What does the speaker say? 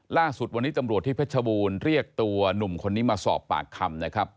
ล่าสุดวันนี้ตำรวจที่เพชรบูรณ์เรียกตัวหนุ่มคนนี้มาสอบปากคำนะครับ